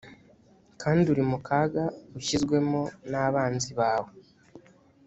kandi uri mu kaga ushyizwemo n’abanzi bawe.